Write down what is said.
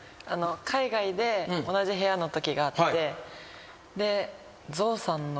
海外で同じ部屋のときがあって。